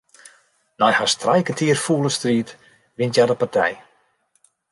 Nei hast trije kertier fûle striid wint hja de partij.